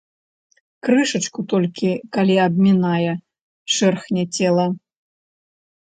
Крышачку толькі, калі абмінае, шэрхне цела.